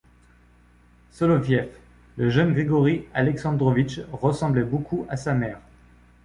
Soloviev, le jeune Grigori Alexandrovitch ressemblait beaucoup à sa mère.